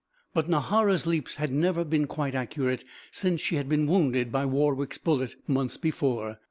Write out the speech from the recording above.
But Nahara's leaps had never been quite accurate since she had been wounded by Warwick's bullet, months before.